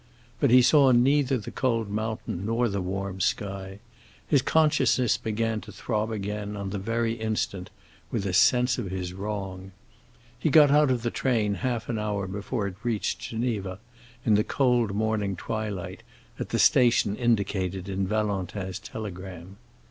But he saw neither the cold mountain nor the warm sky; his consciousness began to throb again, on the very instant, with a sense of his wrong. He got out of the train half an hour before it reached Geneva, in the cold morning twilight, at the station indicated in Valentin's telegram.